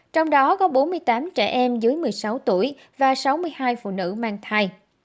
trong đó có bốn mươi tám trẻ em dưới một mươi sáu tuổi và sáu mươi hai phụ nữ mang thai